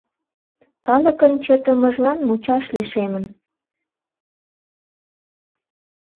Калыкын чытымыжлан мучаш лишемын.